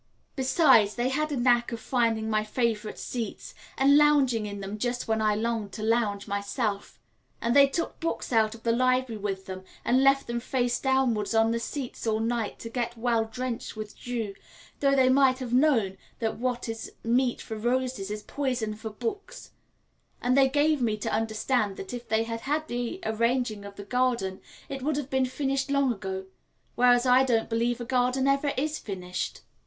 Besides, they had a knack of finding out my favourite seats and lounging in them just when I longed to lounge myself; and they took books out of the library with them, and left them face downwards on the seats all night to get well drenched with dew, though they might have known that what is meat for roses is poison for books; and they gave me to understand that if they had had the arranging of the garden it would have been finished long ago whereas I don't believe a garden ever is finished.